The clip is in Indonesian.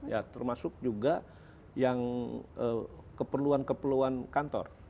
ya termasuk juga yang keperluan keperluan kantor